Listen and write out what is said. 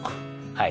はい。